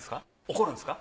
怒るんですか？